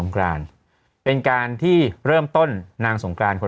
คือนาง